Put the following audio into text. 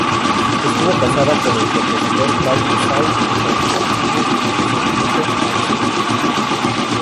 Estuvo casada con el compositor Paul Dessau con quien tuvo su hijo Maxim.